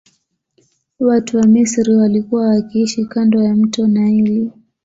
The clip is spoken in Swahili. Watu wa misri walikua wakiishi kando ya mto naili